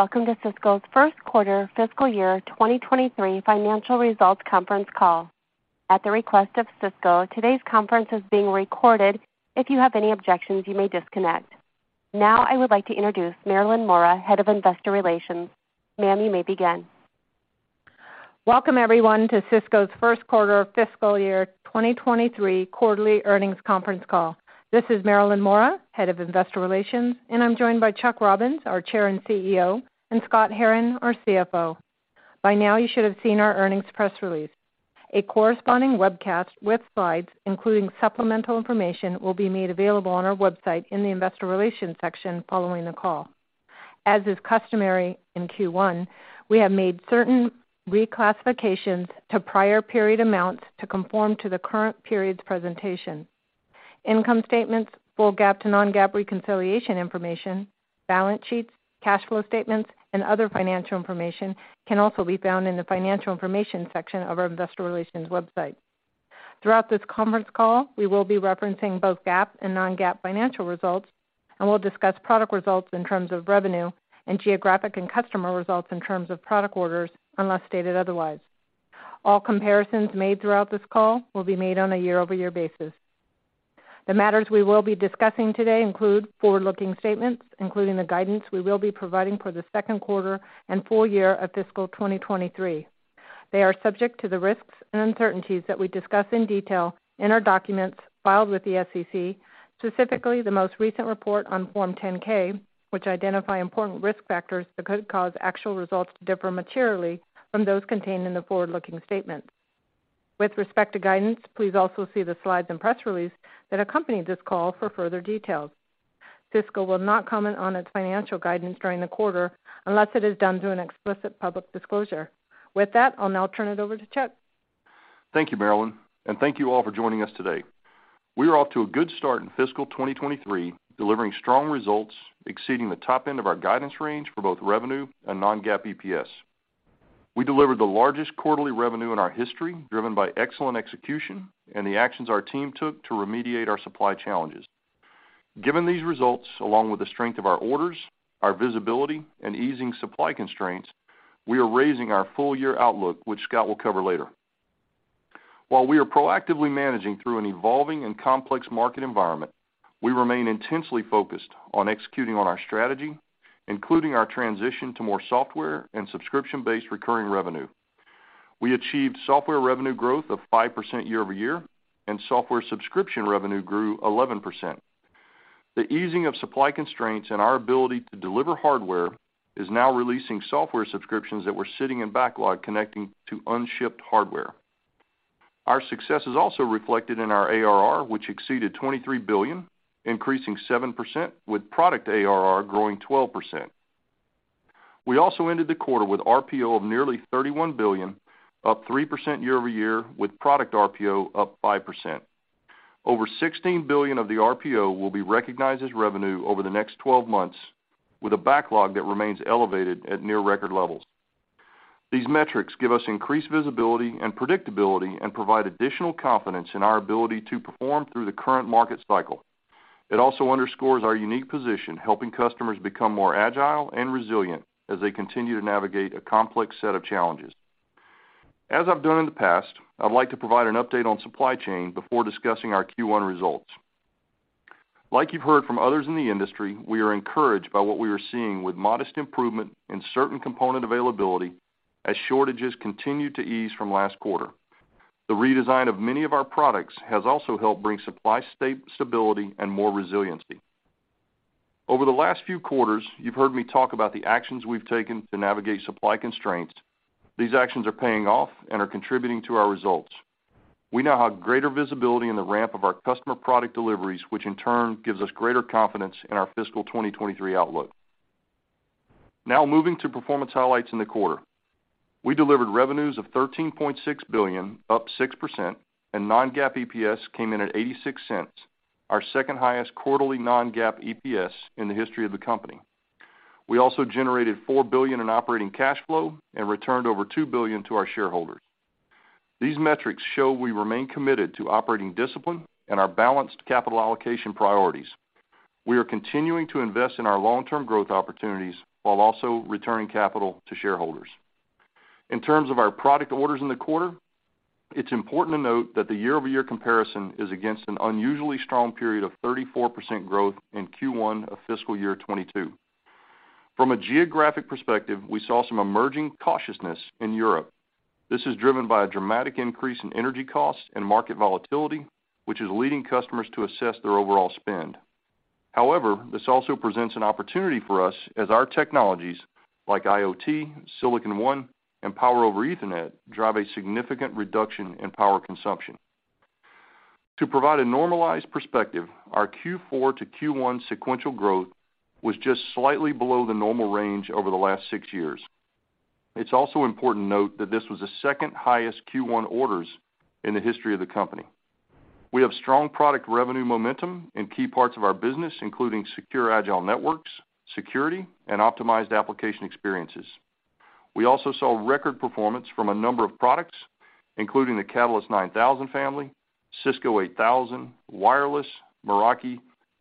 Welcome to Cisco's first quarter fiscal year 2023 financial results conference call. At the request of Cisco, today's conference is being recorded. If you have any objections, you may disconnect. Now, I would like to introduce Marilyn Mora, Head of Investor Relations. Ma'am, you may begin. Welcome, everyone, to Cisco's first quarter fiscal year 2023 quarterly earnings conference call. This is Marilyn Mora, Head of Investor Relations, and I'm joined by Chuck Robbins, our Chair and CEO, and Scott Herren, our CFO. By now you should have seen our earnings press release. A corresponding webcast with slides, including supplemental information, will be made available on our website in the investor relations section following the call. As is customary in Q1, we have made certain reclassifications to prior period amounts to conform to the current period's presentation. Income statements, full GAAP to non-GAAP reconciliation information, balance sheets, cash flow statements, and other financial information can also be found in the Financial Information section of our investor relations website. Throughout this conference call, we will be referencing both GAAP and non-GAAP financial results, and we'll discuss product results in terms of revenue and geographic and customer results in terms of product orders, unless stated otherwise. All comparisons made throughout this call will be made on a year-over-year basis. The matters we will be discussing today include forward-looking statements, including the guidance we will be providing for the second quarter and full year of fiscal 2023. They are subject to the risks and uncertainties that we discuss in detail in our documents filed with the SEC, specifically the most recent report on Form 10-K, which identify important risk factors that could cause actual results to differ materially from those contained in the forward-looking statements. With respect to guidance, please also see the slides and press release that accompany this call for further details. Cisco will not comment on its financial guidance during the quarter unless it is done through an explicit public disclosure. With that, I'll now turn it over to Chuck. Thank you, Marilyn, and thank you all for joining us today. We are off to a good start in fiscal 2023, delivering strong results exceeding the top end of our guidance range for both revenue and non-GAAP EPS. We delivered the largest quarterly revenue in our history, driven by excellent execution and the actions our team took to remediate our supply challenges. Given these results, along with the strength of our orders, our visibility, and easing supply constraints, we are raising our full year outlook, which Scott will cover later. While we are proactively managing through an evolving and complex market environment, we remain intensely focused on executing on our strategy, including our transition to more software and subscription-based recurring revenue. We achieved software revenue growth of 5% year-over-year, and software subscription revenue grew 11%. The easing of supply constraints and our ability to deliver hardware is now releasing software subscriptions that were sitting in backlog connecting to unshipped hardware. Our success is also reflected in our ARR, which exceeded $23 billion, increasing 7%, with product ARR growing 12%. We also ended the quarter with RPO of nearly $31 billion, up 3% year-over-year, with product RPO up 5%. Over $16 billion of the RPO will be recognized as revenue over the next 12 months with a backlog that remains elevated at near record levels. These metrics give us increased visibility and predictability and provide additional confidence in our ability to perform through the current market cycle. It also underscores our unique position, helping customers become more agile and resilient as they continue to navigate a complex set of challenges. As I've done in the past, I'd like to provide an update on supply chain before discussing our Q1 results. Like you've heard from others in the industry, we are encouraged by what we are seeing with modest improvement in certain component availability as shortages continue to ease from last quarter. The redesign of many of our products has also helped bring supply stability and more resiliency. Over the last few quarters, you've heard me talk about the actions we've taken to navigate supply constraints. These actions are paying off and are contributing to our results. We now have greater visibility in the ramp of our customer product deliveries, which in turn gives us greater confidence in our fiscal 2023 outlook. Now moving to performance highlights in the quarter. We delivered revenues of $13.6 billion, up 6%, and non-GAAP EPS came in at $0.86, our second highest quarterly non-GAAP EPS in the history of the company. We also generated $4 billion in operating cash flow and returned over $2 billion to our shareholders. These metrics show we remain committed to operating discipline and our balanced capital allocation priorities. We are continuing to invest in our long-term growth opportunities while also returning capital to shareholders. In terms of our product orders in the quarter, it's important to note that the year-over-year comparison is against an unusually strong period of 34% growth in Q1 of fiscal year 2022. From a geographic perspective, we saw some emerging cautiousness in Europe. This is driven by a dramatic increase in energy costs and market volatility, which is leading customers to assess their overall spend. However, this also presents an opportunity for us as our technologies like IoT, Silicon One, and Power over Ethernet drive a significant reduction in power consumption. To provide a normalized perspective, our Q4 to Q1 sequential growth was just slightly below the normal range over the last six years. It's also important to note that this was the second highest Q1 orders in the history of the company. We have strong product revenue momentum in key parts of our business, including Secure Agile Networks, security, and Optimized Application Experiences. We also saw record performance from a number of products, including the Catalyst 9000 family, Cisco 8000, Meraki Wireless, Meraki,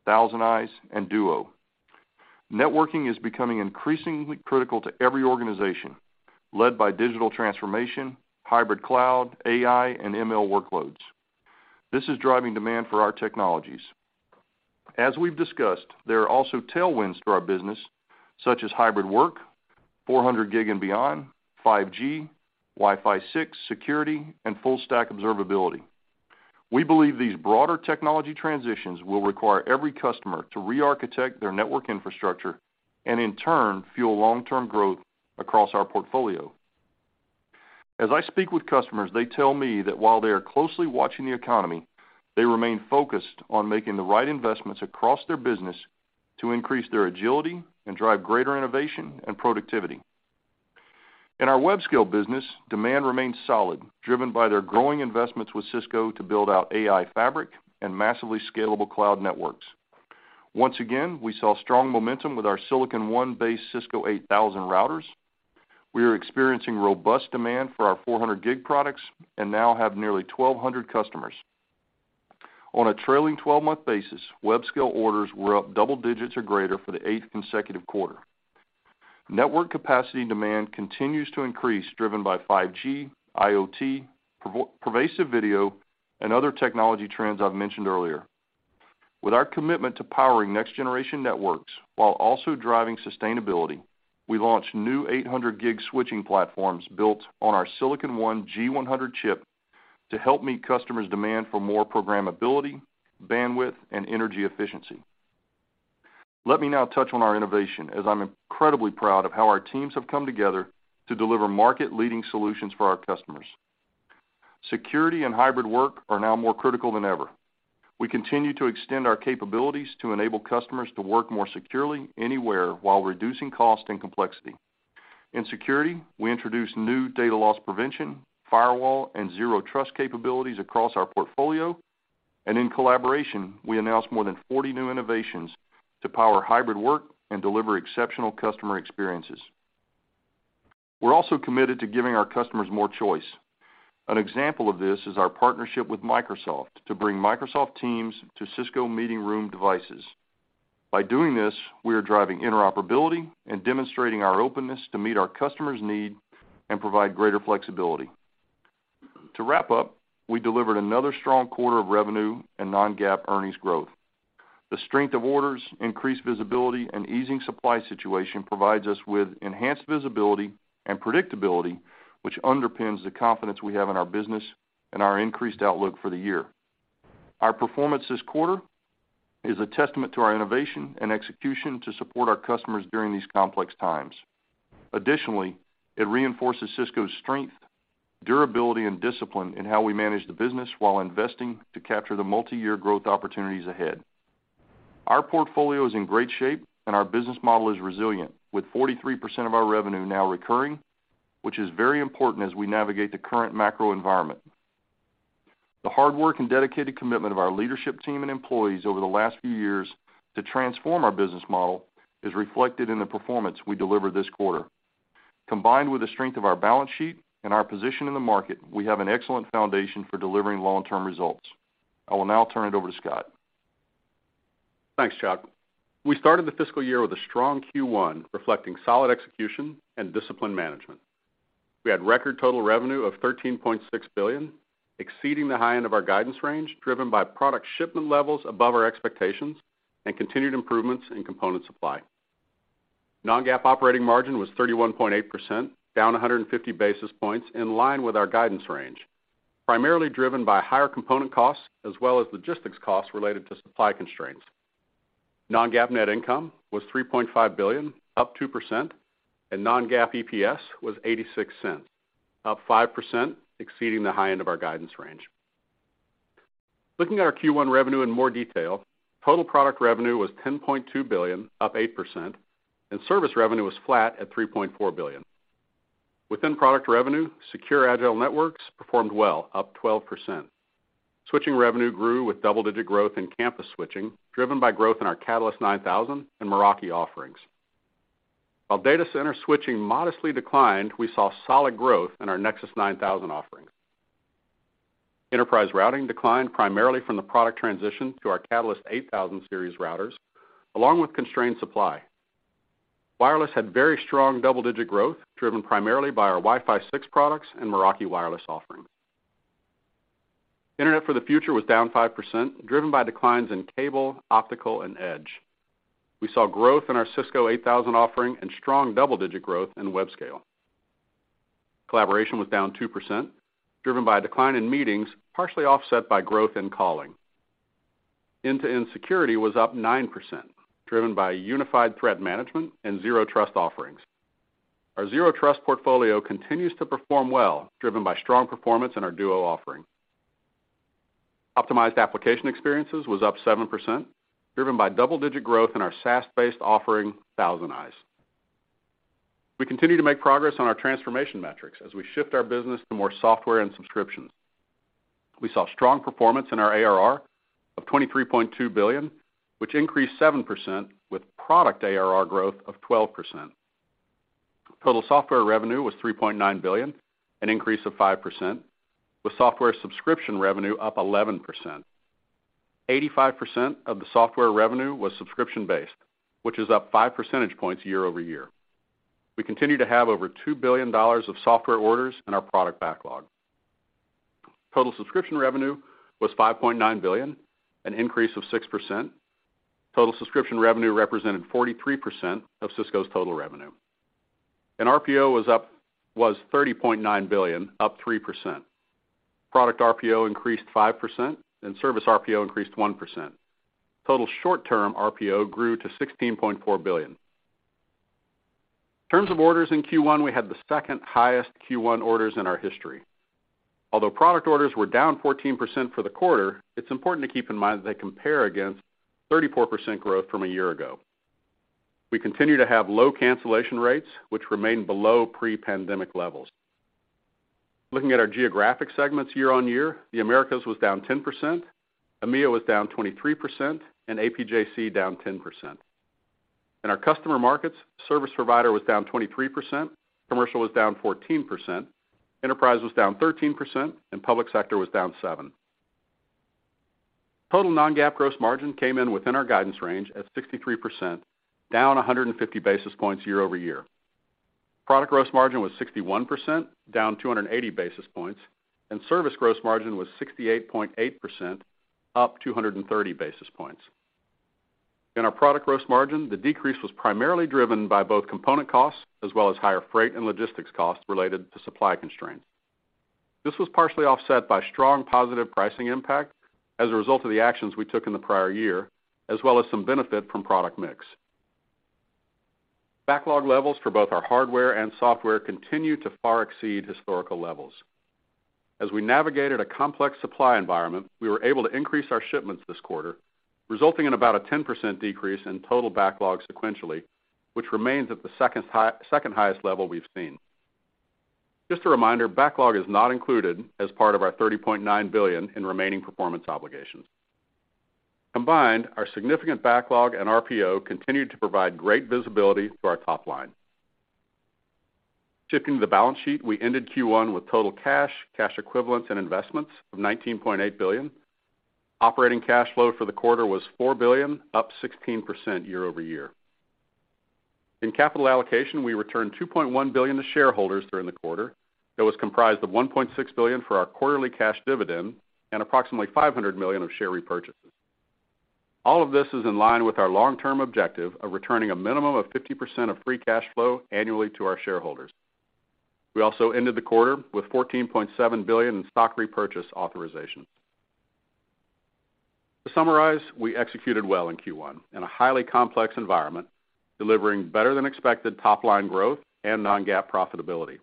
ThousandEyes, and Duo. Networking is becoming increasingly critical to every organization, led by digital transformation, hybrid cloud, AI, and ML workloads. This is driving demand for our technologies. As we've discussed, there are also tailwinds to our business, such as hybrid work, 400 Gig and beyond, 5G, Wi-Fi 6, security, and full stack observability. We believe this broader technology transitions will require every customer to re-architect their network infrastructure and in turn, fuel long-term growth across our portfolio. As I speak with customers, they tell me that while they are closely watching the economy, they remain focused on making the right investments across their business to increase their agility and drive greater innovation and productivity. In our Webscale business, demand remains solid, driven by their growing investments with Cisco to build out AI fabric and massively scalable cloud networks. Once again, we saw strong momentum with our Silicon One-based Cisco 8000 routers. We are experiencing robust demand for our 400 Gig products and now have nearly 1,200 customers. On a trailing twelve-month basis, Webscale orders were up double digits or greater for the eighth consecutive quarter. Network capacity demand continues to increase, driven by 5G, IoT, pervasive video and other technology trends I've mentioned earlier. With our commitment to powering next-generation networks while also driving sustainability, we launched new 800 Gig switching platforms built on our Silicon One G100 chip to help meet customers' demand for more programmability, bandwidth, and energy efficiency. Let me now touch on our innovation, as I'm incredibly proud of how our teams have come together to deliver market-leading solutions for our customers. Security and hybrid work are now more critical than ever. We continue to extend our capabilities to enable customers to work more securely anywhere while reducing cost and complexity. In security, we introduced new data loss prevention, firewall, and Zero Trust capabilities across our portfolio. In collaboration, we announced more than 40 new innovations to power hybrid work and deliver exceptional customer experiences. We're also committed to giving our customers more choice. An example of this is our partnership with Microsoft to bring Microsoft Teams to Cisco meeting room devices. By doing this, we are driving interoperability and demonstrating our openness to meet our customers' need and provide greater flexibility. To wrap up, we delivered another strong quarter of revenue and non-GAAP earnings growth. The strength of orders, increased visibility, and easing supply situation provides us with enhanced visibility and predictability, which underpins the confidence we have in our business and our increased outlook for the year. Our performance this quarter is a testament to our innovation and execution to support our customers during these complex times. Additionally, it reinforces Cisco's strength, durability, and discipline in how we manage the business while investing to capture the multiyear growth opportunities ahead. Our portfolio is in great shape, and our business model is resilient, with 43% of our revenue now recurring, which is very important as we navigate the current macro environment. The hard work and dedicated commitment of our leadership team and employees over the last few years to transform our business model is reflected in the performance we delivered this quarter. Combined with the strength of our balance sheet and our position in the market, we have an excellent foundation for delivering long-term results. I will now turn it over to Scott. Thanks, Chuck. We started the fiscal year with a strong Q1, reflecting solid execution and disciplined management. We had record total revenue of $13.6 billion, exceeding the high end of our guidance range, driven by product shipment levels above our expectations and continued improvements in component supply. Non-GAAP operating margin was 31.8%, down 150 basis points, in line with our guidance range, primarily driven by higher component costs as well as logistics costs related to supply constraints. Non-GAAP net income was $3.5 billion, up 2%, and non-GAAP EPS was $0.86, up 5%, exceeding the high end of our guidance range. Looking at our Q1 revenue in more detail, total product revenue was $10.2 billion, up 8%, and service revenue was flat at $3.4 billion. Within product revenue, Secure Agile Networks performed well, up 12%. Switching revenue grew with double-digit growth in campus switching, driven by growth in our Catalyst 9000 and Meraki offerings. While data center switching modestly declined, we saw solid growth in our Nexus 9000 offerings. Enterprise routing declined primarily from the product transition to our Catalyst 8000 series routers, along with constrained supply. Wireless had very strong double-digit growth, driven primarily by our Wi-Fi 6 products and Meraki Wireless offerings. Internet for the Future was down 5%, driven by declines in cable, optical, and edge. We saw growth in our Cisco 8000 offering and strong double-digit growth in Webscale. Collaboration was down 2%, driven by a decline in meetings, partially offset by growth in calling. End-to-End Security was up 9%, driven by unified threat management and Zero Trust offerings. Our Zero Trust portfolio continues to perform well, driven by strong performance in our Duo offering. Optimized Application Experiences was up 7%, driven by double-digit growth in our SaaS-based offering, ThousandEyes. We continue to make progress on our transformation metrics as we shift our business to more software and subscriptions. We saw strong performance in our ARR of $23.2 billion, which increased 7% with product ARR growth of 12%. Total software revenue was $3.9 billion, an increase of 5%, with software subscription revenue up 11%. 85% of the software revenue was subscription-based, which is up 5% points year-over-year. We continue to have over $2 billion of software orders in our product backlog. Total subscription revenue was $5.9 billion, an increase of 6%. Total subscription revenue represented 43% of Cisco's total revenue. RPO was up $30.9 billion, up 3%. Product RPO increased 5% and service RPO increased 1%. Total short-term RPO grew to $16.4 billion. In terms of orders in Q1, we had the second highest Q1 orders in our history. Although product orders were down 14% for the quarter, it's important to keep in mind that they compare against 34% growth from a year ago. We continue to have low cancellation rates, which remain below pre-pandemic levels. Looking at our geographic segments year-on-year, the Americas was down 10%, EMEA was down 23%, and APJC down 10%. In our customer markets, service provider was down 23%, commercial was down 14%, enterprise was down 13%, and public sector was down 7%. Total non-GAAP gross margin came in within our guidance range at 63%, down 150 basis points year-over-year. Product gross margin was 61%, down 280 basis points, and service gross margin was 68.8%, up 230 basis points. In our product gross margin, the decrease was primarily driven by both component costs as well as higher freight and logistics costs related to supply constraints. This was partially offset by strong positive pricing impact as a result of the actions we took in the prior year, as well as some benefit from product mix. Backlog levels for both our hardware and software continue to far exceed historical levels. As we navigated a complex supply environment, we were able to increase our shipments this quarter, resulting in about a 10% decrease in total backlog sequentially, which remains at the second highest level we've seen. Just a reminder, backlog is not included as part of our $30.9 billion in remaining performance obligations. Combined, our significant backlog and RPO continued to provide great visibility to our top line. Shifting to the balance sheet, we ended Q1 with total cash equivalents and investments of $19.8 billion. Operating cash flow for the quarter was $4 billion, up 16% year-over-year. In capital allocation, we returned $2.1 billion to shareholders during the quarter that was comprised of $1.6 billion for our quarterly cash dividend and approximately $500 million of share repurchases. All of this is in line with our long-term objective of returning a minimum of 50% of free cash flow annually to our shareholders. We also ended the quarter with $14.7 billion in stock repurchase authorizations. To summarize, we executed well in Q1 in a highly complex environment, delivering better than expected top line growth and non-GAAP profitability.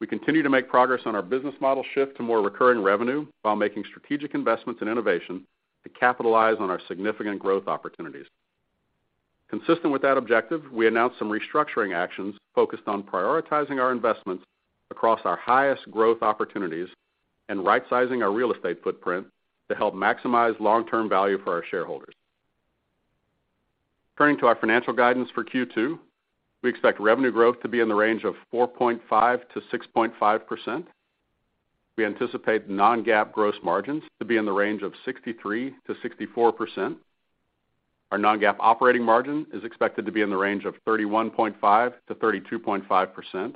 We continue to make progress on our business model shift to more recurring revenue while making strategic investments in innovation to capitalize on our significant growth opportunities. Consistent with that objective, we announced some restructuring actions focused on prioritizing our investments across our highest growth opportunities and rightsizing our real estate footprint to help maximize long-term value for our shareholders. Turning to our financial guidance for Q2, we expect revenue growth to be in the range of 4.5%-6.5%. We anticipate non-GAAP gross margins to be in the range of 63%-64%. Our non-GAAP operating margin is expected to be in the range of 31.5%-32.5%,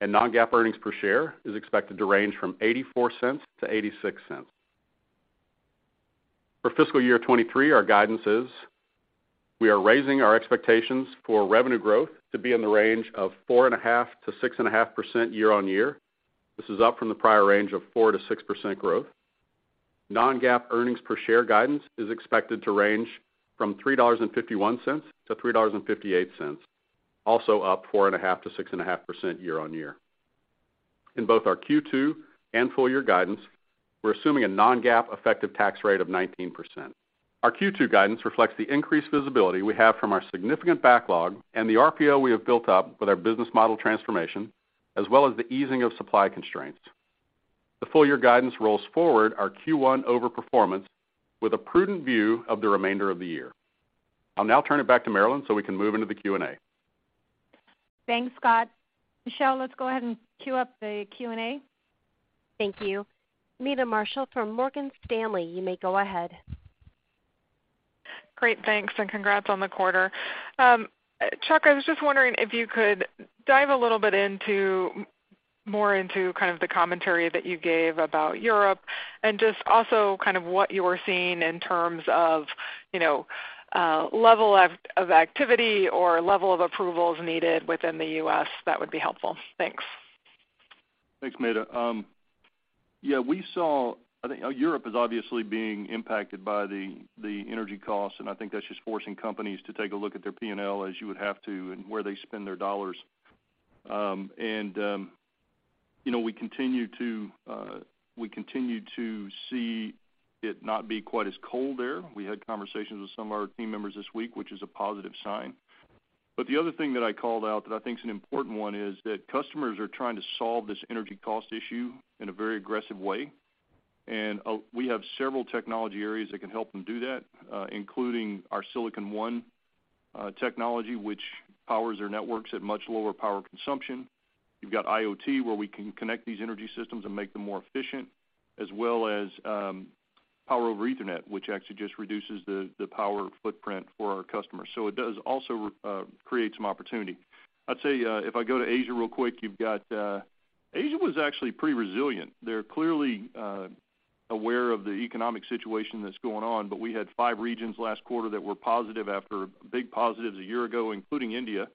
and non-GAAP earnings per share is expected to range from $0.84 to $0.86. For fiscal year 2023, our guidance is we are raising our expectations for revenue growth to be in the range of 4.5%-6.5% year-on-year. This is up from the prior range of 4%-6% growth. Non-GAAP earnings per share guidance is expected to range from $3.51 to $3.58, also up 4.5%-6.5% year-on-year. In both our Q2 and full year guidance, we're assuming a non-GAAP effective tax rate of 19%. Our Q2 guidance reflects the increased visibility we have from our significant backlog and the RPO we have built up with our business model transformation, as well as the easing of supply constraints. The full year guidance rolls forward our Q1 overperformance with a prudent view of the remainder of the year. I'll now turn it back to Marilyn so we can move into the Q&A. Thanks, Scott. Michelle, let's go ahead and queue up the Q&A. Thank you. Meta Marshall from Morgan Stanley, you may go ahead. Great. Thanks, and congrats on the quarter. Chuck, I was just wondering if you could dive a little bit into more into kind of the commentary that you gave about Europe and just also kind of what you're seeing in terms of, you know, level of activity or level of approvals needed within the U.S.. That would be helpful. Thanks. Thanks, Meta. Yeah, we saw, I think, Europe is obviously being impacted by the energy costs, and I think that's just forcing companies to take a look at their P&L, as you would have to, and where they spend their dollars. You know, we continue to see it not be quite as cold there. We had conversations with some of our team members this week, which is a positive sign. The other thing that I called out that I think is an important one is that customers are trying to solve this energy cost issue in a very aggressive way. We have several technology areas that can help them do that, including our Silicon One technology, which powers their networks at much lower power consumption. You've got IoT, where we can connect these energy systems and make them more efficient, as well as Power over Ethernet, which actually just reduces the power footprint for our customers. It does also create some opportunity. I'd say, if I go to Asia real quick. Asia was actually pretty resilient. They're clearly aware of the economic situation that's going on, but we had five regions last quarter that were positive after big positives a year ago, including India,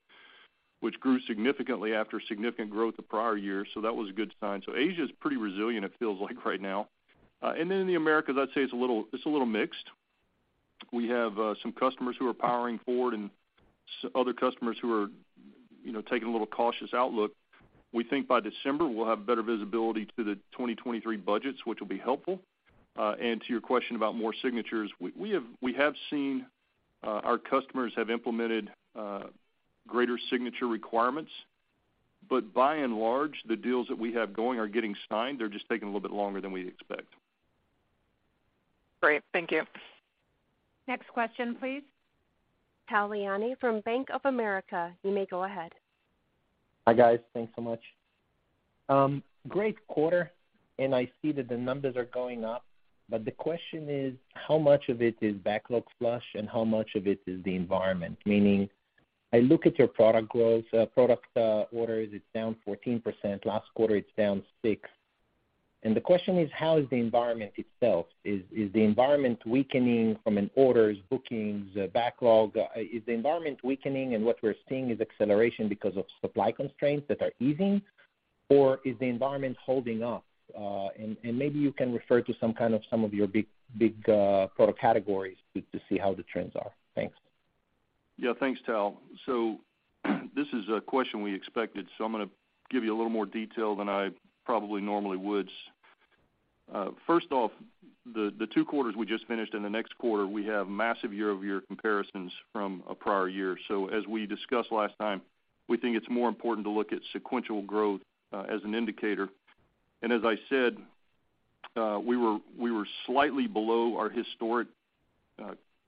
which grew significantly after significant growth the prior year, so that was a good sign. Asia is pretty resilient, it feels like right now. In the Americas, I'd say it's a little mixed. We have some customers who are powering forward and other customers who are, you know, taking a little cautious outlook. We think by December, we'll have better visibility to the 2023 budgets, which will be helpful. To your question about more signatures, we have seen our customers have implemented greater signature requirements. But by and large, the deals that we have going are getting signed. They're just taking a little bit longer than we expect. Great. Thank you. Next question, please. Tal Liani from Bank of America. You may go ahead. Hi, guys. Thanks so much. Great quarter, and I see that the numbers are going up. The question is, how much of it is backlog flush and how much of it is the environment? Meaning, I look at your product growth, orders, it's down 14%. Last quarter, it's down 6%. The question is, how is the environment itself? Is the environment weakening from an orders, bookings, backlog? Is the environment weakening and what we're seeing is acceleration because of supply constraints that are easing, or is the environment holding up? Maybe you can refer to some of your big product categories to see how the trends are. Thanks. Yeah, thanks, Tal. This is a question we expected, so I'm gonna give you a little more detail than I probably normally would. First off, the two quarters we just finished and the next quarter, we have massive year-over-year comparisons from a prior year. As we discussed last time, we think it's more important to look at sequential growth as an indicator. As I said, we were slightly below our historic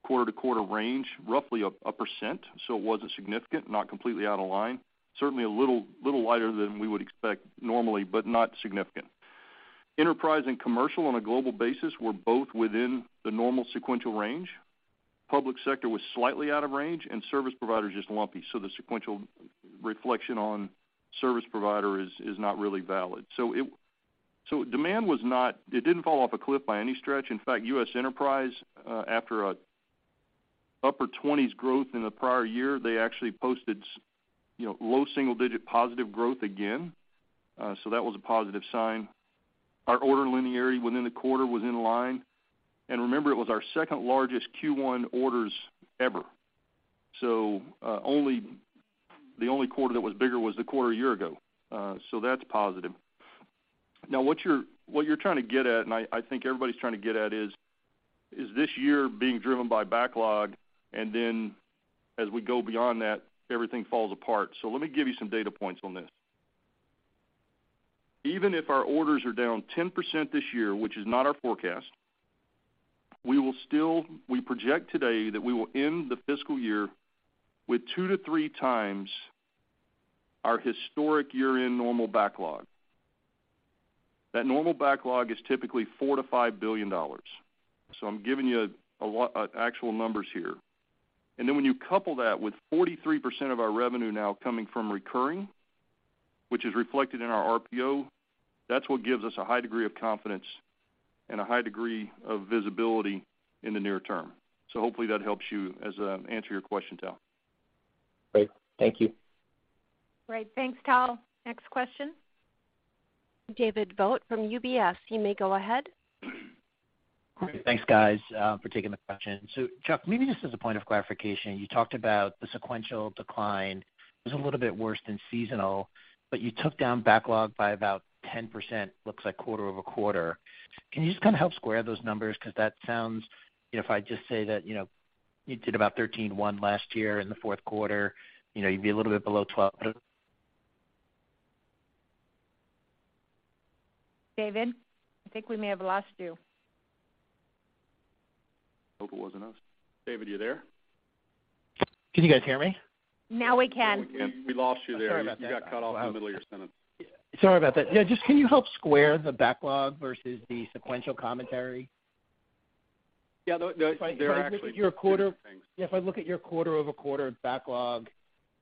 quarter-to-quarter range, roughly 1%, so it wasn't significant, not completely out of line. Certainly, a little lighter than we would expect normally, but not significant. Enterprise and commercial on a global basis were both within the normal sequential range. Public sector was slightly out of range, and service provider is just lumpy. The sequential reflection on service provider is not really valid. Demand was not, it didn't fall off a cliff by any stretch. In fact, U.S. enterprise, after upper 20s% growth in the prior year, they actually posted, you know, low single-digit positive growth again. That was a positive sign. Our order linearity within the quarter was in line. Remember, it was our second-largest Q1 orders ever. The only quarter that was bigger was the quarter a year ago. That's positive. Now what you're trying to get at, and I think everybody's trying to get at is this year being driven by backlog, and then as we go beyond that, everything falls apart. Let me give you some data points on this. Even if our orders are down 10% this year, which is not our forecast, we will still, we project today that we will end the fiscal year with two-three times our historic year-end normal backlog. That normal backlog is typically $4-$5 billion. I'm giving you a lot of actual numbers here. Then when you couple that with 43% of our revenue now coming from recurring, which is reflected in our RPO, that's what gives us a high degree of confidence and a high degree of visibility in the near term. Hopefully that helps you as an answer to your question, Tal. Great. Thank you. Great. Thanks, Tal. Next question. David Vogt from UBS. You may go ahead. Great. Thanks, guys, for taking the question. Chuck, maybe just as a point of clarification, you talked about the sequential decline was a little bit worse than seasonal, but you took down backlog by about 10%, looks like quarter-over-quarter. Can you just kind of help square those numbers? 'Cause that sounds, if I just say that, you know, you did about $13.1 last year in the fourth quarter, you know, you'd be a little bit below $12- David, I think we may have lost you. Hope it wasn't us. David, you there? Can you guys hear me? Now we can. Now we can. We lost you there. Sorry about that. You got cut off in the middle of your sentence. Sorry about that. Yeah, just can you help square the backlog versus the sequential commentary? Yeah, they're actually two different things. If I look at your quarter-over-quarter backlog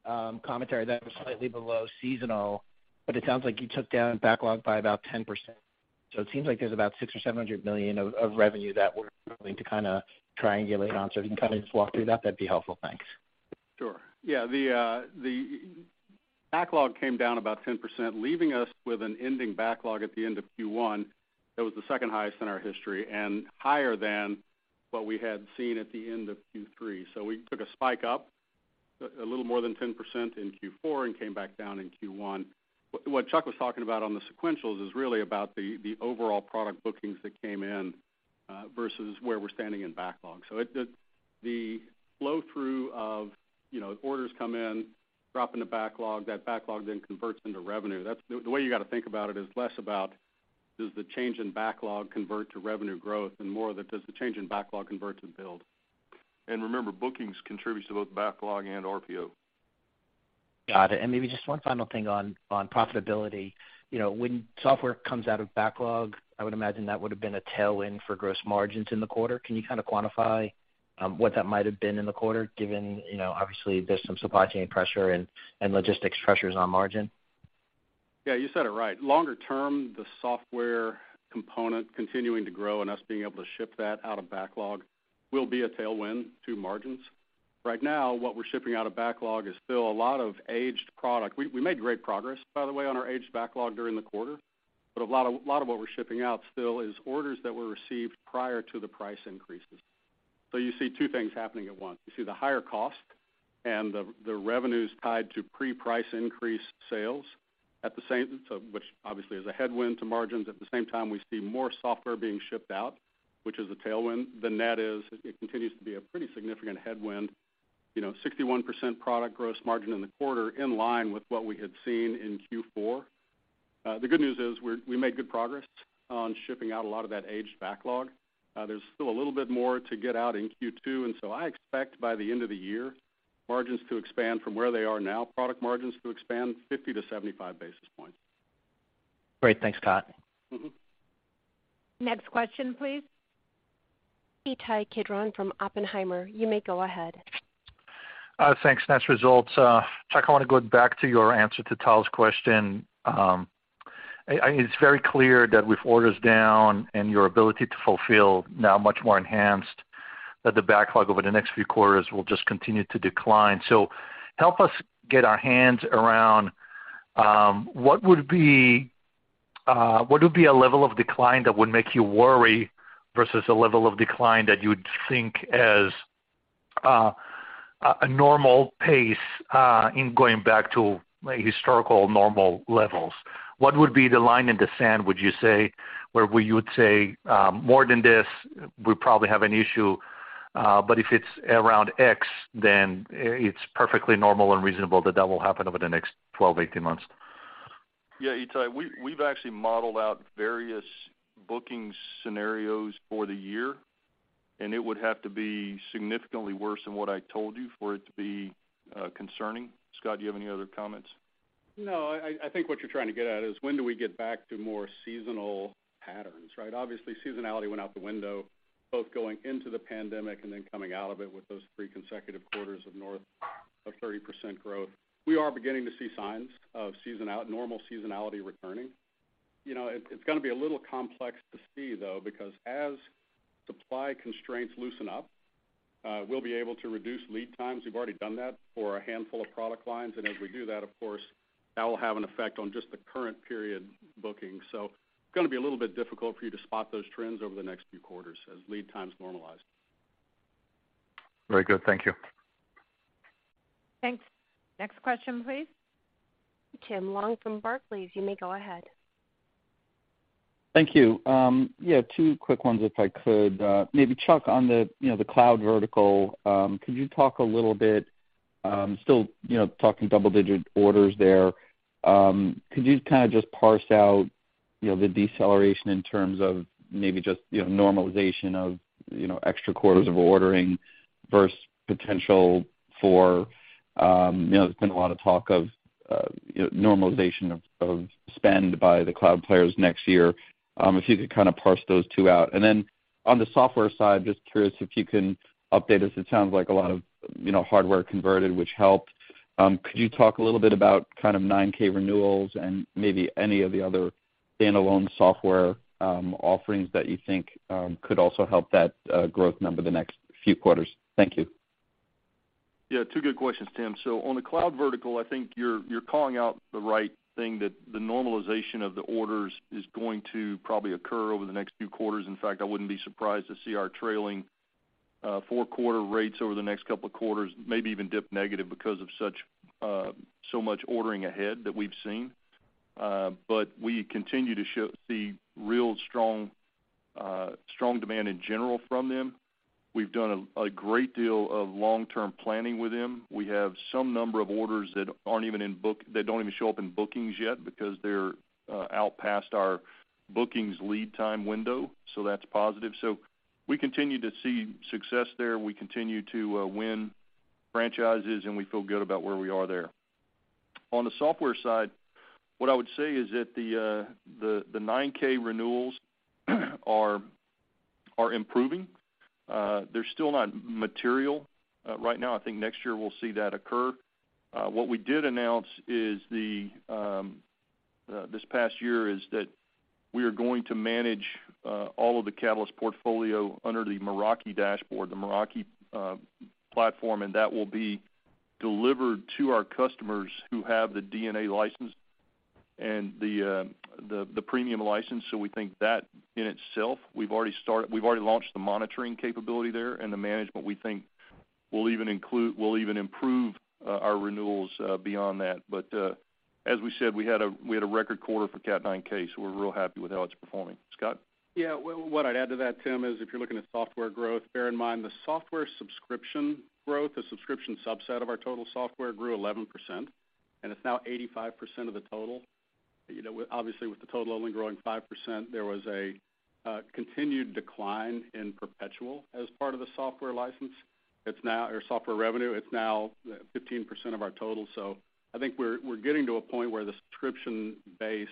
commentary, that was slightly below seasonal, but it sounds like you took down backlog by about 10%. It seems like there's about $600 million or $700 million of revenue that we're going to kinda triangulate on. If you can kind of just walk through that'd be helpful. Thanks. Sure. Yeah, the backlog came down about 10%, leaving us with an ending backlog at the end of Q1 that was the second highest in our history and higher than what we had seen at the end of Q3. We took a spike up a little more than 10% in Q4 and came back down in Q1. What Chuck was talking about on the sequentials is really about the overall product bookings that came in versus where we're standing in backlog. The flow-through of, you know, orders come in, drop into backlog, that backlog then converts into revenue. That's the way you gotta think about it is less about does the change in backlog convert to revenue growth and more that does the change in backlog convert to build. Remember, bookings contributes to both backlog and RPO. Got it. Maybe just one final thing on profitability. You know, when software comes out of backlog, I would imagine that would've been a tailwind for gross margins in the quarter. Can you kind of quantify what that might have been in the quarter, given, you know, obviously, there's some supply chain pressure and logistics pressures on margin? Yeah, you said it right. Longer term, the software component continuing to grow and us being able to ship that out of backlog will be a tailwind to margins. Right now, what we're shipping out of backlog is still a lot of aged product. We made great progress, by the way, on our aged backlog during the quarter, but a lot of what we're shipping out still is orders that were received prior to the price increases. You see two things happening at once. You see the higher cost and the revenues tied to pre-price increase sales at the same time, which obviously is a headwind to margins. At the same time, we see more software being shipped out, which is a tailwind. The net is it continues to be a pretty significant headwind. You know, 61% product gross margin in the quarter, in line with what we had seen in Q4. The good news is we made good progress on shipping out a lot of that aged backlog. There's still a little bit more to get out in Q2, and so I expect by the end of the year, margins to expand from where they are now, product margins to expand 50-75 basis points. Great. Thanks, Scott. Mm-hmm. Next question, please. Ittai Kidron from Oppenheimer, you may go ahead. Thanks. Nice results. Chuck, I wanna go back to your answer to Tal's question. It's very clear that with orders down and your ability to fulfill now much more enhanced that the backlog over the next few quarters will just continue to decline. Help us get our hands around what would be a level of decline that would make you worry versus a level of decline that you would think as a normal pace in going back to, like, historical normal levels? What would be the line in the sand, would you say, where you would say more than this, we probably have an issue, but if it's around X, then it's perfectly normal and reasonable that that will happen over the next 12, 18 months? Yeah, Ittai, we've actually modeled out various booking scenarios for the year, and it would have to be significantly worse than what I told you for it to be concerning. Scott, do you have any other comments? No. I think what you're trying to get at is when do we get back to more seasonal patterns, right? Obviously, seasonality went out the window, both going into the pandemic and then coming out of it with those three consecutive quarters of north of 30% growth. We are beginning to see signs of normal seasonality returning. You know, it's gonna be a little complex to see though, because as supply constraints loosen up, we'll be able to reduce lead times. We've already done that for a handful of product lines. As we do that, of course, that will have an effect on just the current period booking. It's gonna be a little bit difficult for you to spot those trends over the next few quarters as lead times normalize. Very good. Thank you. Thanks. Next question, please. Tim Long from Barclays, you may go ahead. Thank you. Yeah, two quick ones if I could. Maybe Chuck, on the, you know, the cloud vertical, could you talk a little bit, still, you know, talking double-digit orders there, could you kind of just parse out, you know, the deceleration in terms of maybe just, you know, normalization of, you know, extra quarters of ordering versus potential for, you know, there's been a lot of talk of, you know, normalization of spend by the cloud players next year. If you could kind of parse those two out. Then on the software side, just curious if you can update us. It sounds like a lot of, you know, hardware converted, which helped. Could you talk a little bit about kind of 9K renewals and maybe any of the other standalone software offerings that you think could also help that growth number the next few quarters? Thank you. Yeah, two good questions, Tim. On the cloud vertical, I think you're calling out the right thing that the normalization of the orders is going to probably occur over the next few quarters. In fact, I wouldn't be surprised to see our trailing four quarter rates over the next couple of quarters maybe even dip negative because of such so much ordering ahead that we've seen. We continue to see real strong demand in general from them. We've done a great deal of long-term planning with them. We have some number of orders that don't even show up in bookings yet because they're out past our bookings lead time window, so that's positive. We continue to see success there. We continue to win franchises, and we feel good about where we are there. On the software side, what I would say is that the 9K renewals are improving. They're still not material right now. I think next year we'll see that occur. What we did announce is this past year is that we are going to manage all of the Catalyst portfolio under the Meraki dashboard, the Meraki platform, and that will be delivered to our customers who have the DNA license and the premium license. We think that in itself, we've already launched the monitoring capability there and the management we think. We'll even improve our renewals beyond that. As we said, we had a record quarter for Cat 9K, so we're real happy with how it's performing. Scott? Yeah. Well, what I'd add to that, Tim, is if you're looking at software growth, bear in mind the software subscription growth, the subscription subset of our total software grew 11%, and it's now 85% of the total. You know, obviously, with the total only growing 5%, there was a continued decline in perpetual as part of the software license or software revenue. It's now 15% of our total. I think we're getting to a point where the subscription base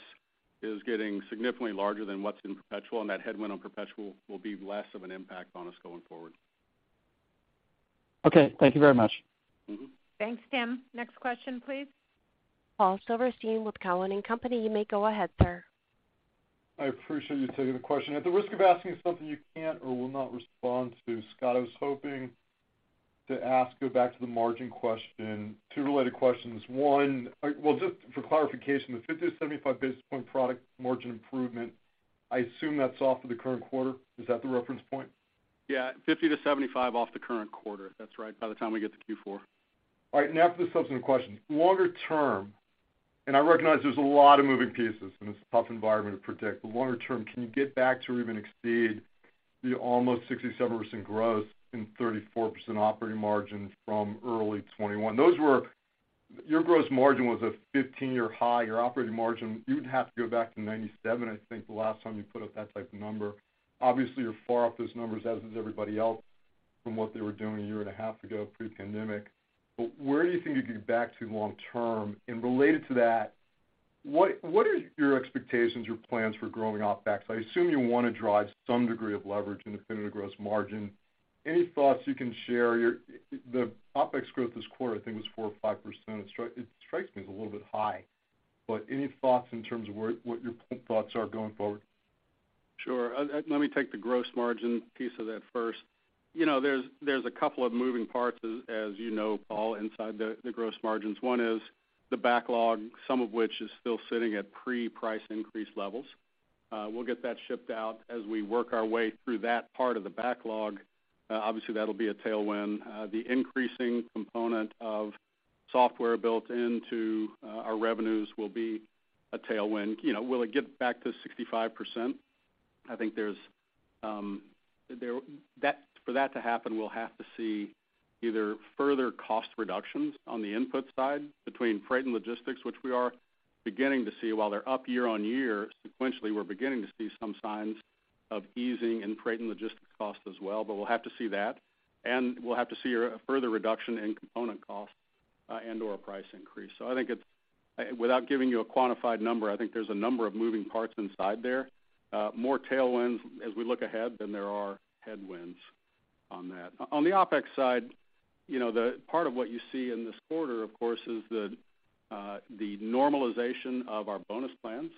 is getting significantly larger than what's in perpetual, and that headwind on perpetual will be less of an impact on us going forward. Okay. Thank you very much. Mm-hmm. Thanks, Tim. Next question, please. Paul Silverstein with Cowen and Company. You may go ahead, sir. I appreciate you taking the question. At the risk of asking something you can't or will not respond to, Scott, I was hoping to ask you back to the margin question, two related questions. One, well, just for clarification, the 50-75 basis points product margin improvement, I assume that's off of the current quarter. Is that the reference point? Yeah. 50-75 off the current quarter. That's right. By the time we get to Q4. All right. Now for the subsequent question. Longer term, I recognize there's a lot of moving pieces, and it's a tough environment to predict, but longer term, can you get back to or even exceed the almost 67% growth and 34% operating margin from early 2021? Your gross margin was a 15-year high. Your operating margin, you'd have to go back to 1997, I think, the last time you put up that type of number. Obviously, you're far off those numbers, as is everybody else from what they were doing a year and a half ago pre-pandemic. Where do you think you could get back to long term? Related to that, what are your expectations or plans for growing OpEx? I assume you want to drive some degree of leverage in the improved gross margin. Any thoughts you can share? The OpEx growth this quarter, I think, was 4% or 5%. It strikes me as a little bit high. Any thoughts in terms of what your thoughts are going forward? Sure. Let me take the gross margin piece of that first. You know, there's a couple of moving parts, as you know, Paul, inside the gross margins. One is the backlog, some of which is still sitting at pre-price increase levels. We'll get that shipped out as we work our way through that part of the backlog. Obviously, that'll be a tailwind. The increasing component of software built into our revenues will be a tailwind. You know, will it get back to 65%? I think for that to happen, we'll have to see either further cost reductions on the input side between freight and logistics, which we are beginning to see. While they're up year on year, sequentially, we're beginning to see some signs of easing in freight and logistics costs as well, but we'll have to see that. We'll have to see a further reduction in component costs, and/or a price increase. I think it's without giving you a quantified number, I think there's a number of moving parts inside there, more tailwinds as we look ahead than there are headwinds on that. On the OpEx side, you know, the part of what you see in this quarter, of course, is the normalization of our bonus plans.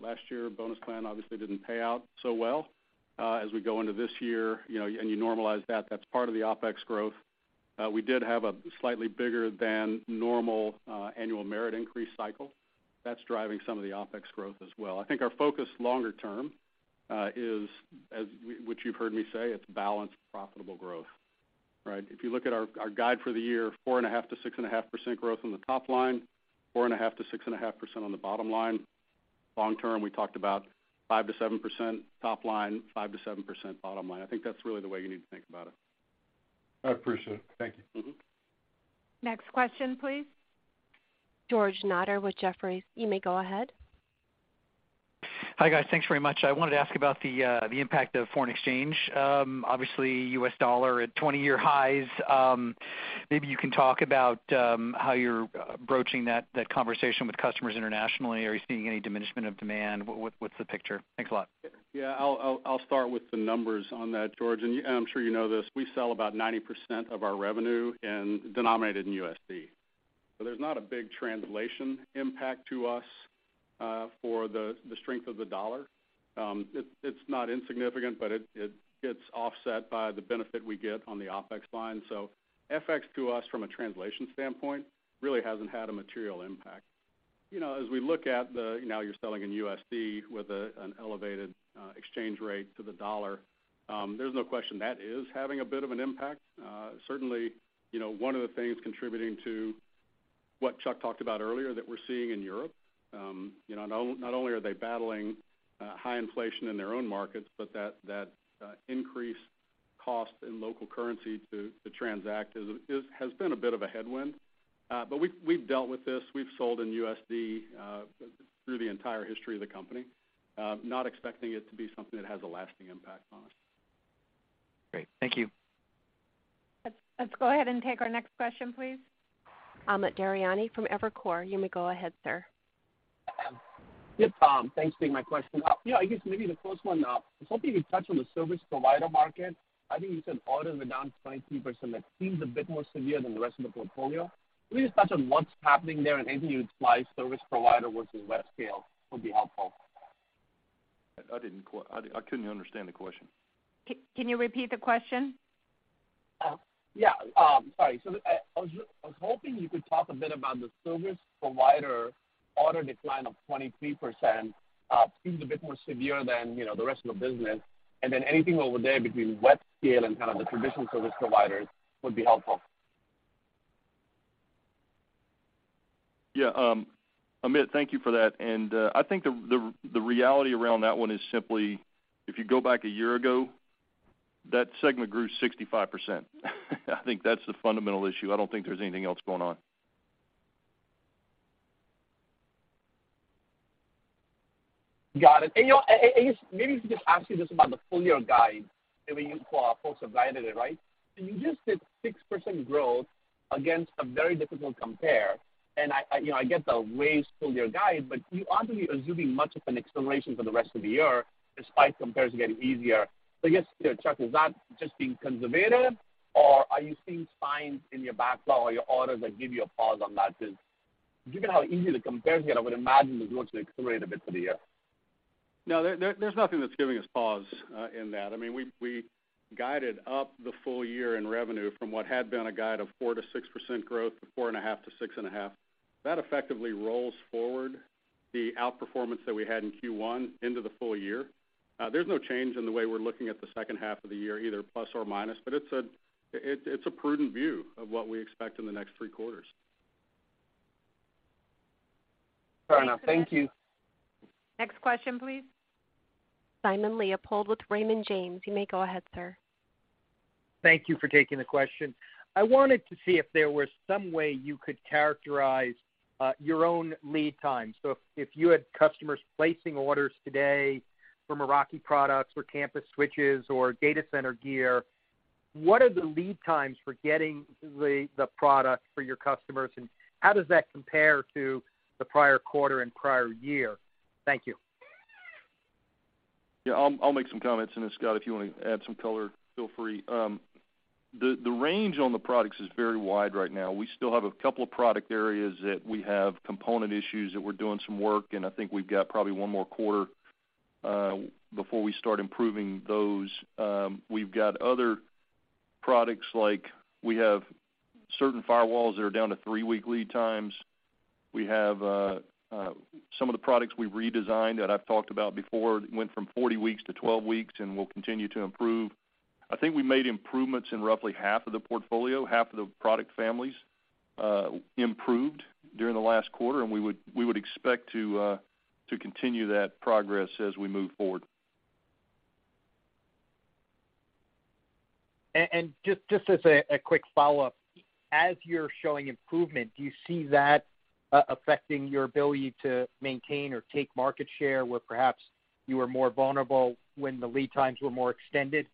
Last year, bonus plan obviously didn't pay out so well. As we go into this year, you know, and you normalize that's part of the OpEx growth. We did have a slightly bigger than normal annual merit increase cycle. That's driving some of the OpEx growth as well. I think our focus longer term is which you've heard me say, it's balanced, profitable growth, right? If you look at our guide for the year, 4.5%-6.5% growth on the top line, 4.5%-6.5% on the bottom line. Long term, we talked about 5%-7% top line, 5%-7% bottom line. I think that's really the way you need to think about it. I appreciate it. Thank you. Mm-hmm. Next question, please. George Notter with Jefferies. You may go ahead. Hi, guys. Thanks very much. I wanted to ask about the impact of foreign exchange. Obviously, U.S. dollar at 20-year highs. Maybe you can talk about how you're broaching that conversation with customers internationally. Are you seeing any diminishment of demand? What's the picture? Thanks a lot. Yeah. I'll start with the numbers on that, George. I'm sure you know this, we sell about 90% of our revenue denominated in USD. So there's not a big translation impact to us for the strength of the dollar. It's not insignificant, but it gets offset by the benefit we get on the OpEx line. So FX to us from a translation standpoint really hasn't had a material impact. You know, as we look at the, now you're selling in USD with an elevated exchange rate to the dollar, there's no question that is having a bit of an impact. Certainly, you know, one of the things contributing to what Chuck talked about earlier that we're seeing in Europe, you know, not only are they battling high inflation in their own markets, but that increased cost in local currency to transact has been a bit of a headwind. We've dealt with this. We've sold in USD through the entire history of the company. Not expecting it to be something that has a lasting impact on us. Great. Thank you. Let's go ahead and take our next question, please. Amit Daryanani from Evercore. You may go ahead, sir. Yep. Thanks for taking my question. Yeah, I guess maybe the first one, I was hoping you could touch on the service provider market. I think you said orders were down 23%. That seems a bit more severe than the rest of the portfolio. Can you just touch on what's happening there and anything you'd apply service provider versus Webscale would be helpful? I couldn't understand the question. Can you repeat the question? Sorry. I was hoping you could talk a bit about the service provider order decline of 23%, seems a bit more severe than, you know, the rest of the business. Anything over there between webscale and kind of the traditional service providers would be helpful. Yeah. Amit, thank you for that. I think the reality around that one is simply if you go back a year ago, that segment grew 65%. I think that's the fundamental issue. I don't think there's anything else going on. Got it. You know, just maybe if you could just ask about the full-year guide that we use for our folks who guided it, right? You just did 6% growth against a very difficult compare. I, you know, get the full-year guide, but you aren't really assuming much of an acceleration for the rest of the year despite compares getting easier. I guess, you know, Chuck, is that just being conservative or are you seeing signs in your backlog or your orders that give you a pause on that? Because given how easy the compares get, I would imagine you'd want to accelerate a bit for the year. No, there's nothing that's giving us pause in that. I mean, we guided up the full year in revenue from what had been a guide of 4%-6% growth to 4.5%-6.5%. That effectively rolls forward the outperformance that we had in Q1 into the full year. There's no change in the way we're looking at the second half of the year, either plus or minus. It's a prudent view of what we expect in the next three quarters. Fair enough. Thank you. Next question, please. Simon Leopold with Raymond James. You may go ahead, sir. Thank you for taking the question. I wanted to see if there was some way you could characterize your own lead time. If you had customers placing orders today from Meraki products or campus switches or data center gear, what are the lead times for getting the product for your customers, and how does that compare to the prior quarter and prior year? Thank you. Yeah, I'll make some comments on this. Scott, if you wanna add some color, feel free. The range on the products is very wide right now. We still have a couple of product areas that we have component issues that we're doing some work, and I think we've got probably one more quarter before we start improving those. We've got other products, like we have certain firewalls that are down to three-week lead times. We have some of the products we've redesigned that I've talked about before went from 40 weeks to 12 weeks and will continue to improve. I think we made improvements in roughly half of the portfolio. Half of the product families improved during the last quarter, and we would expect to continue that progress as we move forward. Just as a quick follow-up. As you're showing improvement, do you see that affecting your ability to maintain or take market share where perhaps you were more vulnerable when the lead times were more extended?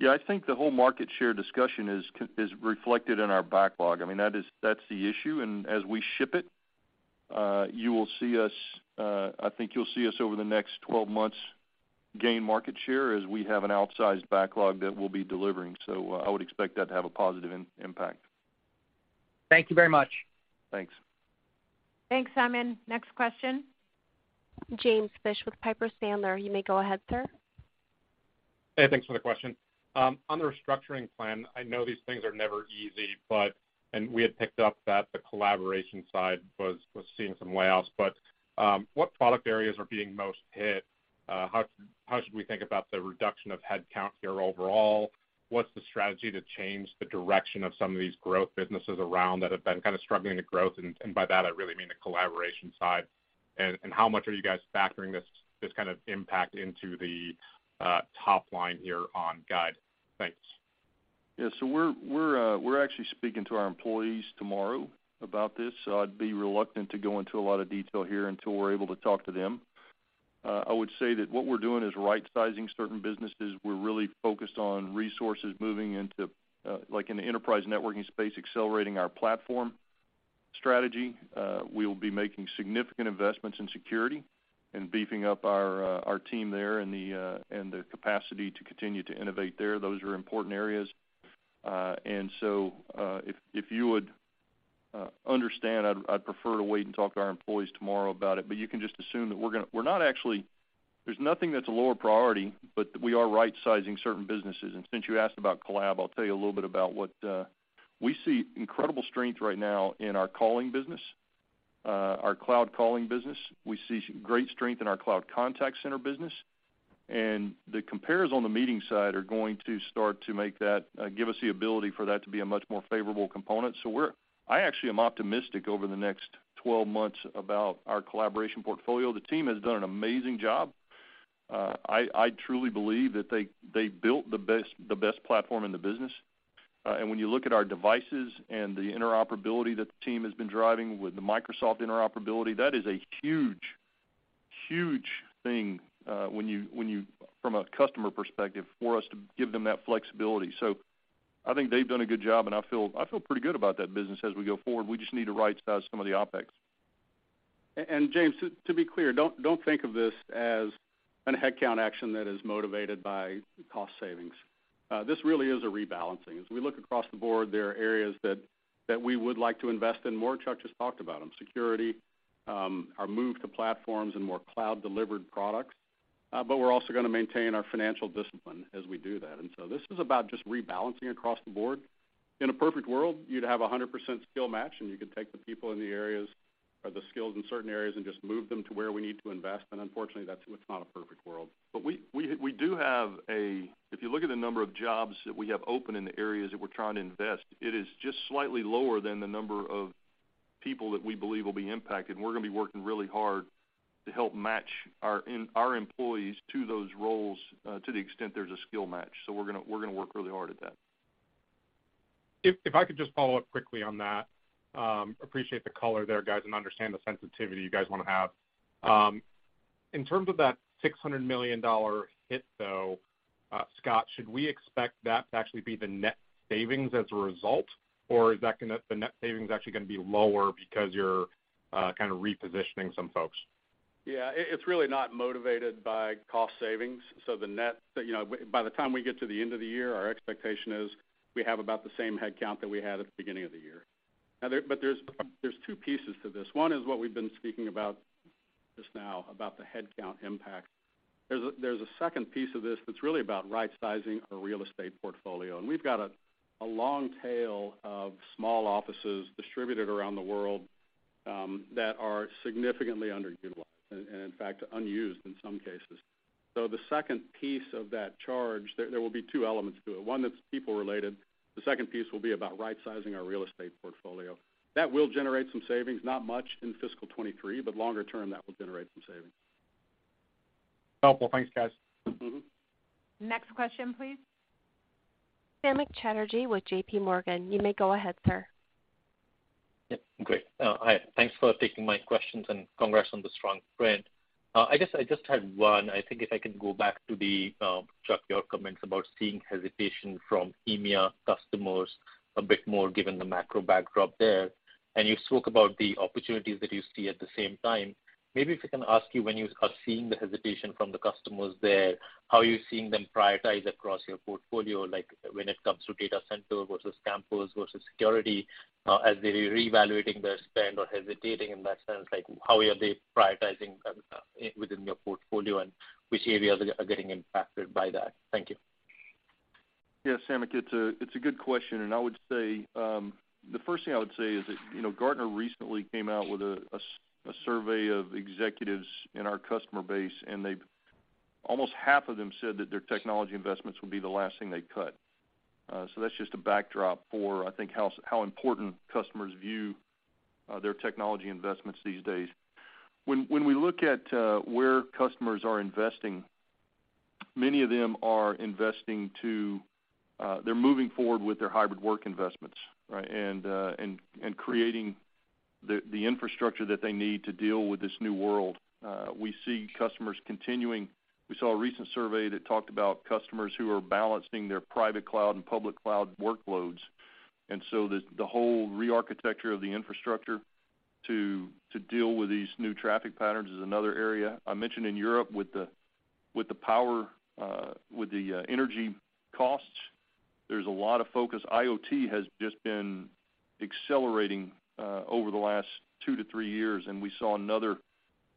Yeah, I think the whole market share discussion is reflected in our backlog. I mean, that's the issue. As we ship it, you will see us. I think you'll see us over the next 12 months gain market share as we have an outsized backlog that we'll be delivering. I would expect that to have a positive impact. Thank you very much. Thanks. Thanks, Simon. Next question. James Fish with Piper Sandler. You may go ahead, sir. Hey, thanks for the question. On the restructuring plan, I know these things are never easy, and we had picked up that the collaboration side was seeing some layoffs. What product areas are being most hit? How should we think about the reduction of headcount here overall? What's the strategy to change the direction of some of these growth businesses around that have been kind of struggling to grow? By that, I really mean the collaboration side. How much are you guys factoring this kind of impact into the top line here on guide? Thanks. Yeah. We're actually speaking to our employees tomorrow about this, so I'd be reluctant to go into a lot of detail here until we're able to talk to them. I would say that what we're doing is rightsizing certain businesses. We're really focused on resources moving into, like in the enterprise networking space, accelerating our platform strategy. We'll be making significant investments in security and beefing up our team there and the capacity to continue to innovate there. Those are important areas. If you would understand, I'd prefer to wait and talk to our employees tomorrow about it, but you can just assume that there's nothing that's a lower priority, but we are rightsizing certain businesses. Since you asked about collab, I'll tell you a little bit about what we see incredible strength right now in our calling business, our cloud calling business. We see great strength in our cloud contact center business. The compares on the meeting side are going to start to make that give us the ability for that to be a much more favorable component. I actually am optimistic over the next 12 months about our collaboration portfolio. The team has done an amazing job. I truly believe that they built the best platform in the business. When you look at our devices and the interoperability that the team has been driving with the Microsoft interoperability, that is a huge thing from a customer perspective, for us to give them that flexibility. I think they've done a good job, and I feel pretty good about that business as we go forward. We just need to right-size some of the OpEx. James, to be clear, don't think of this as a headcount action that is motivated by cost savings. This really is a rebalancing. As we look across the board, there are areas that we would like to invest in more. Chuck just talked about them. Security, our move to platforms and more cloud-delivered products. We're also gonna maintain our financial discipline as we do that. This is about just rebalancing across the board. In a perfect world, you'd have 100% skill match, and you could take the people in the areas or the skills in certain areas and just move them to where we need to invest. Unfortunately, it's not a perfect world. We do have if you look at the number of jobs that we have open in the areas that we're trying to invest, it is just slightly lower than the number of people that we believe will be impacted. We're gonna be working really hard to help match our employees to those roles, to the extent there's a skill match. We're gonna work really hard at that. If I could just follow up quickly on that, appreciate the color there, guys, and understand the sensitivity you guys wanna have. In terms of that $600 million hit, though, Scott, should we expect that to actually be the net savings as a result, or is that the net savings actually gonna be lower because you're kind of repositioning some folks? Yeah. It's really not motivated by cost savings. The net, you know, by the time we get to the end of the year, our expectation is we have about the same head count that we had at the beginning of the year. There's two pieces to this. One is what we've been speaking about just now, about the head count impact. There's a second piece of this that's really about rightsizing a real estate portfolio. We've got a long tail of small offices distributed around the world that are significantly underutilized and in fact, unused in some cases. The second piece of that charge, there will be two elements to it. One that's people related, the second piece will be about rightsizing our real estate portfolio. That will generate some savings, not much in fiscal 2023, but longer term, that will generate some savings. Helpful. Thanks, guys. Mm-hmm. Next question, please. Samik Chatterjee with J.P. Morgan. You may go ahead, sir. Yep. Great. Hi. Thanks for taking my questions and congrats on the strong print. I guess I just had one. I think if I can go back to the Chuck, your comments about seeing hesitation from EMEA customers a bit more given the macro backdrop there. You spoke about the opportunities that you see at the same time. Maybe if I can ask you when you are seeing the hesitation from the customers there, how are you seeing them prioritize across your portfolio, like when it comes to data center versus campus versus security, as they reevaluating their spend or hesitating in that sense, like how are they prioritizing within your portfolio and which areas are getting impacted by that? Thank you. Yes, Samik, it's a good question. I would say the first thing I would say is that Gartner recently came out with a survey of executives in our customer base, and almost half of them said that their technology investments would be the last thing they'd cut. That's just a backdrop for how important customers view their technology investments these days. When we look at where customers are investing, many of them are investing too. They're moving forward with their hybrid work investments, right, and creating the infrastructure that they need to deal with this new world. We see customers continuing. We saw a recent survey that talked about customers who are balancing their private cloud and public cloud workloads. The whole rearchitecture of the infrastructure to deal with these new traffic patterns is another area. I mentioned in Europe with the power, with the energy costs, there's a lot of focus. IoT has just been accelerating over the last two to three years, and we saw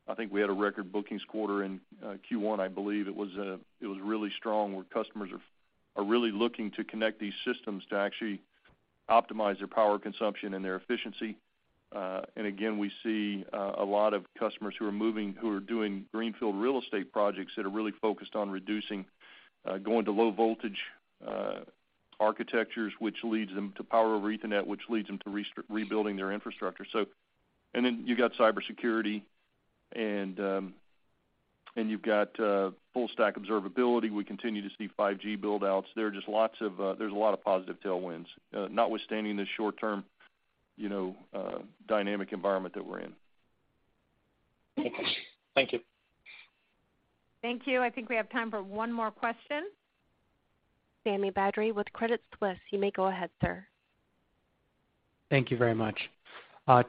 I think we had a record bookings quarter in Q1, I believe. It was really strong where customers are really looking to connect these systems to actually optimize their power consumption and their efficiency. And again, we see a lot of customers who are doing greenfield real estate projects that are really focused on reducing going to low voltage architectures, which leads them to Power over Ethernet, which leads them to rebuilding their infrastructure. You've got cybersecurity and full stack observability. We continue to see 5G buildouts. There's a lot of positive tailwinds, notwithstanding the short-term, you know, dynamic environment that we're in. Okay. Thank you. Thank you. I think we have time for one more question. Sami Badri with Credit Suisse. You may go ahead, sir. Thank you very much.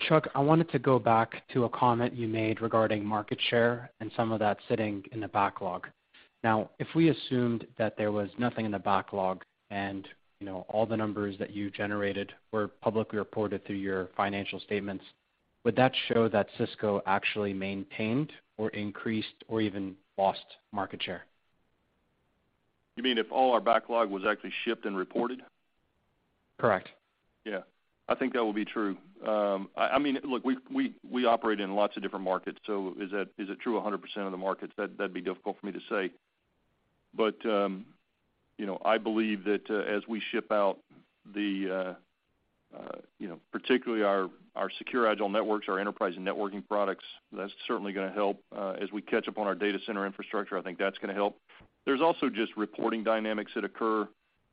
Chuck, I wanted to go back to a comment you made regarding market share and some of that sitting in the backlog. Now, if we assumed that there was nothing in the backlog and, you know, all the numbers that you generated were publicly reported through your financial statements, would that show that Cisco actually maintained or increased or even lost market share? You mean if all our backlog was actually shipped and reported? Correct. Yeah. I think that would be true. I mean, look, we operate in lots of different markets, so is it true a hundred percent of the markets? That'd be difficult for me to say. You know, I believe that as we ship out the you know, particularly our Secure Agile Networks, our enterprise and networking products, that's certainly gonna help. As we catch up on our data center infrastructure, I think that's gonna help. There's also just reporting dynamics that occur.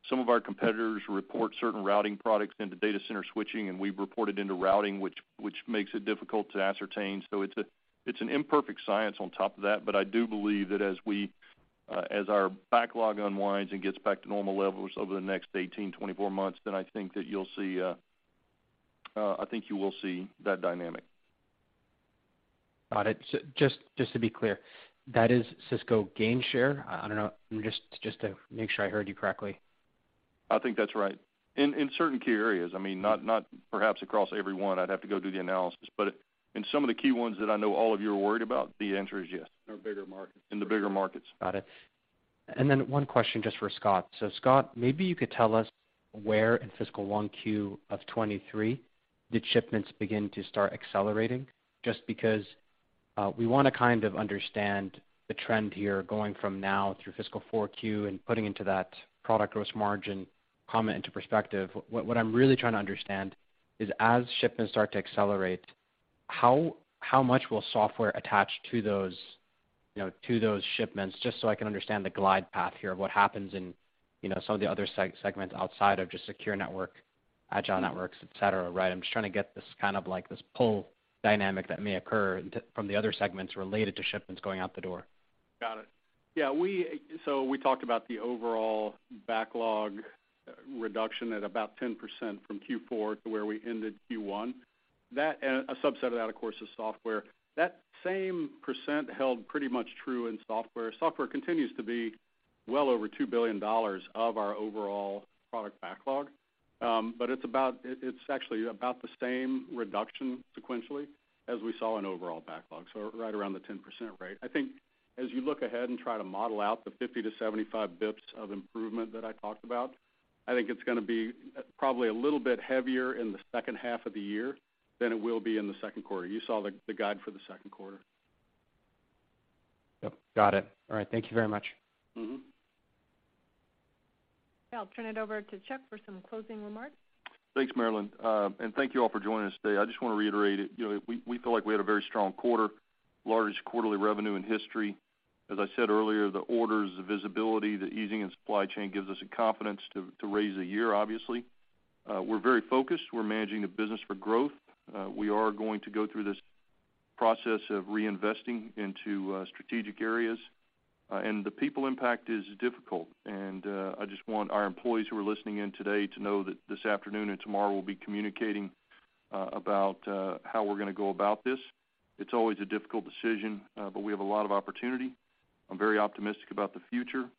Some of our competitors report certain routing products into data center switching, and we've reported into routing, which makes it difficult to ascertain. It's an imperfect science on top of that. I do believe that as we as our backlog unwinds and gets back to normal levels over the next 18-24 months, then I think you will see that dynamic. Got it. Just to be clear, that is Cisco gain share? I don't know. Just to make sure I heard you correctly. I think that's right. In certain key areas. I mean, not perhaps across every one. I'd have to go do the analysis. In some of the key ones that I know all of you are worried about, the answer is yes. In our bigger markets. In the bigger markets. Got it. One question just for Scott. Scott, maybe you could tell us where in fiscal 1Q of 2023 did shipments begin to start accelerating? Just because we wanna kind of understand the trend here going from now through fiscal 4Q and putting into that product gross margin comment into perspective. What I'm really trying to understand is as shipments start to accelerate, how much will software attach to those, you know, to those shipments, just so I can understand the glide path here of what happens in, you know, some of the other segments outside of just Secure Agile Networks, et cetera, right? I'm just trying to get this kind of like this pull dynamic that may occur from the other segments related to shipments going out the door. Got it. Yeah, we talked about the overall backlog reduction at about 10% from Q4 to where we ended Q1. That and a subset of that, of course, is software. That same percent held pretty much true in software. Software continues to be well over $2 billion of our overall product backlog. But it's actually about the same reduction sequentially as we saw in overall backlog, so right around the 10% rate. I think as you look ahead and try to model out the 50-75 basis points of improvement that I talked about, I think it's gonna be probably a little bit heavier in the second half of the year than it will be in the second quarter. You saw the guide for the second quarter. Yep, got it. All right, thank you very much. Mm-hmm. I'll turn it over to Chuck for some closing remarks. Thanks, Marilyn. And thank you all for joining us today. I just wanna reiterate, you know, we feel like we had a very strong quarter. Largest quarterly revenue in history. As I said earlier, the orders, the visibility, the easing in supply chain gives us the confidence to raise the year, obviously. We're very focused. We're managing the business for growth. We are going to go through this process of reinvesting into strategic areas. The people impact is difficult. I just want our employees who are listening in today to know that this afternoon and tomorrow we'll be communicating about how we're gonna go about this. It's always a difficult decision, but we have a lot of opportunity. I'm very optimistic about the future.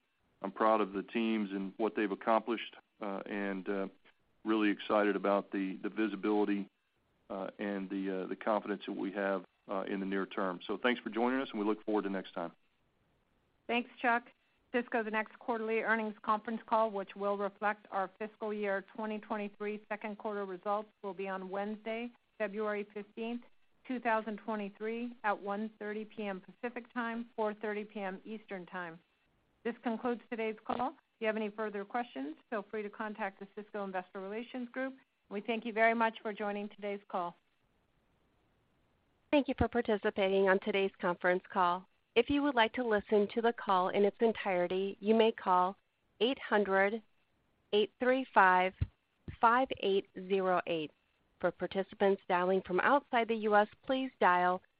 I'm proud of the teams and what they've accomplished, and really excited about the visibility and the confidence that we have in the near term. Thanks for joining us, and we look forward to next time. Thanks, Chuck. Cisco's next quarterly earnings conference call, which will reflect our fiscal year 2023 second quarter results, will be on Wednesday, February 15th, 2023, at 1:30 P.M. Pacific Time, 4:30 P.M. Eastern Time. This concludes today's call. If you have any further questions, feel free to contact the Cisco Investor Relations group. We thank you very much for joining today's call. Thank you for participating on today's conference call. If you would like to listen to the call in its entirety, you may call 800-835-5808. For participants dialing from outside the U.S., please dial